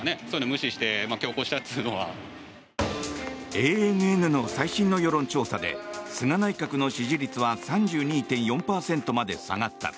ＡＮＮの最新の世論調査で菅内閣の支持率は３２．４％まで下がった。